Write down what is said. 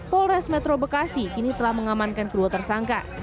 polres metro bekasi kini telah mengamankan kedua tersangka